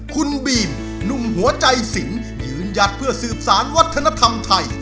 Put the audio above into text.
คุณบีมหนุ่มหัวใจสินยืนหยัดเพื่อสืบสารวัฒนธรรมไทย